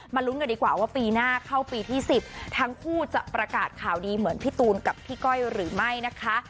ลุ้นกันดีกว่าว่าปีหน้าเข้าปีที่๑๐ทั้งคู่จะประกาศข่าวดีเหมือนพี่ตูนกับพี่ก้อยหรือไม่นะคะ